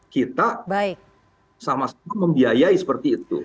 kita sama sama membiayai seperti itu